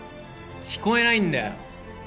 聞こえないんだよ。